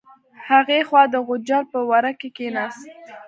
هغې خوا د غوجل په وره کې کیناست.